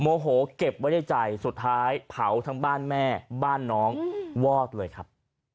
โมโหเก็บไว้ในใจสุดท้ายเผาทั้งบ้านแม่บ้านน้องวอดเลยครับ